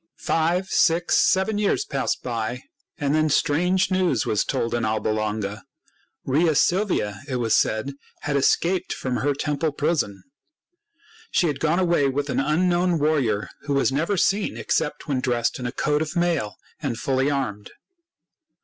Five, six, seven years passed by, and then strange news was told in Alba Longa. Rhea Silvia, it was said, had escaped from her temple prison. She had gone away with an unknown warrior who was never seen except when dressed in a coat of mail and fully armed.